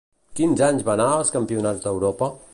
Quins anys van anar als Campionats d'Europa?